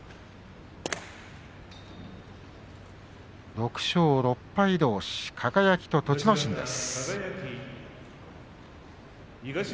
６勝６敗どうし、輝と栃ノ心です。